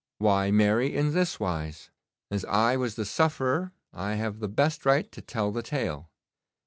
'Why marry, in this wise. As I was the sufferer I have the best right to tell the tale.